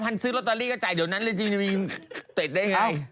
ซื้อลอตเตอรี่ก็จ่ายเดี๋ยวนั้นเลยจริงจะมีเต็ดได้ไง